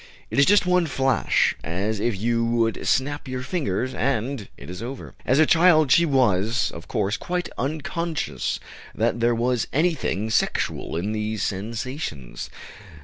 It is just one flash, as if you would snap your fingers, and it is over." As a child, she was, of course, quite unconscious that there was anything sexual in these sensations.